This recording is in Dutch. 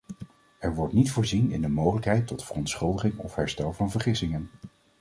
Er wordt niet voorzien in de mogelijkheid tot verontschuldiging of herstel van vergissingen.